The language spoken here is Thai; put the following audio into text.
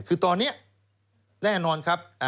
คือตอนนี้แน่นอนครับ